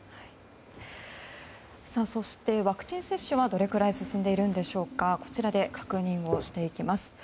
そして、ワクチン接種はどれくらい進んでいるのかこちらで確認をしていきます。